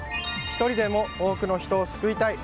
１人でも多くの人を救いたい。